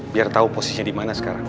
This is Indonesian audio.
biar tau posisinya dimana sekarang